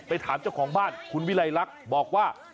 ไปถามเจ้าของบ้านคุณวิรัยรักบอกว่า